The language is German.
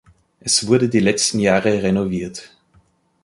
Es wurde die letzten Jahre renoviert.